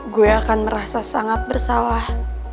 gue akan merasa sangat bersalah